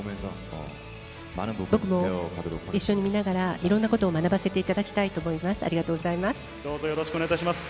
僕も一緒に見ながら、いろんなことを学ばせていただきたいと思います。